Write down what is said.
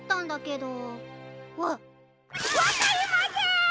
わわかりません！